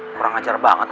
kurang ajar banget